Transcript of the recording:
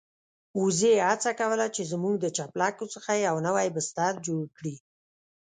وزې هڅه کوله چې زموږ د چپلکو څخه يو نوی بستر جوړ کړي.